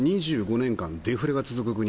２５年間デフレが続く国。